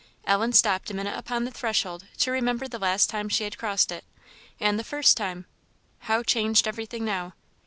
Ellen stopped a minute upon the threshold to remember the last time she had crossed it and the first time: how changed everything now!